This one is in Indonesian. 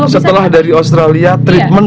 setelah dari australia treatment